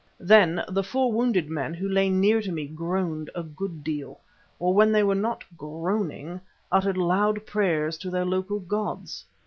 Then the four wounded men who lay near to me groaned a good deal, or when they were not groaning uttered loud prayers to their local gods.